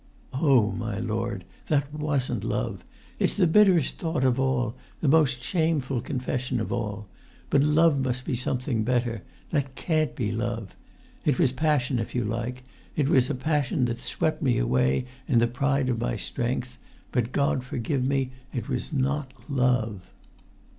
Oh, my lord, that wasn't love! It's the bitterest thought of all, the most shameful confession of all. But love must be something better; that can't be love! It was passion, if you like; it was a passion that swept me away in the pride of my strength; but, God forgive me, it was not love!"